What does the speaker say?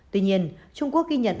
tuy nhiên trung quốc ghi nhận